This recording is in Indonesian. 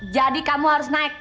jadi kamu harus naik